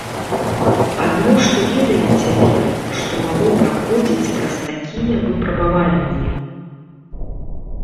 Адно што ведаю цяпер, што магу праходзіць праз такія выпрабаванні.